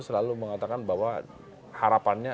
selalu mengatakan bahwa harapannya